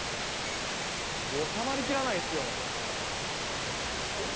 納まりきらないですよ。